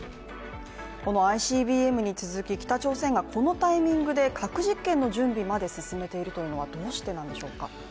このＩＣＢＭに続き北朝鮮がこのタイミングで核実験の準備まで進めているというのはどうしてなんでしょうか？